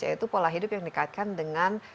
yaitu pola hidup yang dikaitkan dengan